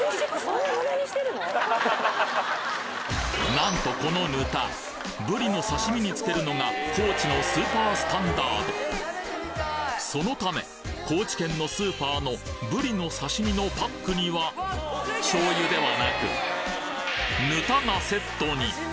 なんとこのぬたブリの刺身につけるのが高知のスーパースタンダードそのため高知県のスーパーのブリの刺身のパックには醤油ではなくぬたがセットに！